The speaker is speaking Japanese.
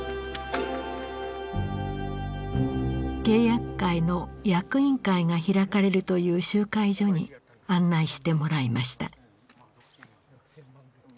契約会の役員会が開かれるという集会所に案内してもらいました。